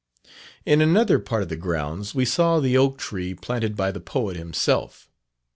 In another part of the grounds we saw the oak tree planted by the poet himself.